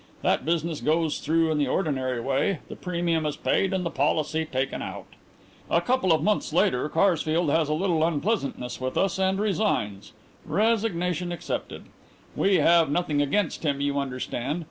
That business goes through in the ordinary way; the premium is paid and the policy taken out. "A couple of months later Karsfeld has a little unpleasantness with us and resigns. Resignation accepted. We have nothing against him, you understand.